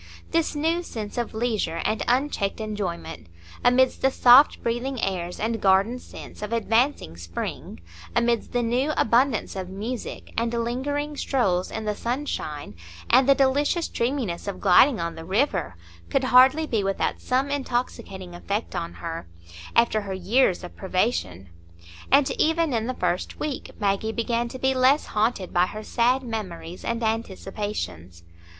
This new sense of leisure and unchecked enjoyment amidst the soft breathing airs and garden scents of advancing spring—amidst the new abundance of music, and lingering strolls in the sunshine, and the delicious dreaminess of gliding on the river—could hardly be without some intoxicating effect on her, after her years of privation; and even in the first week Maggie began to be less haunted by her sad memories and anticipations.